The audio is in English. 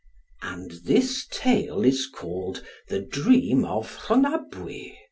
And this tale is called The Dream of Rhonabwy.